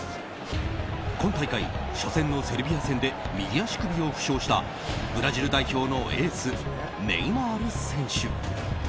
今大会初戦のセルビア戦で右足首を負傷したブラジル代表のエースネイマール選手。